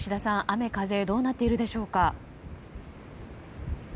雨風どうなっているでしょうか。